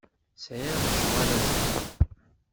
Sɛiɣ lecɣal azekka.